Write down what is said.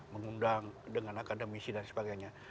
mengundang dengan akademisi dan sebagainya